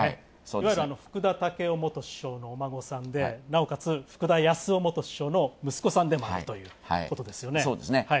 いわゆる、福田赳夫元首相のお孫さんでなおかつ福田康夫元首相の息子さんでもあるということですね。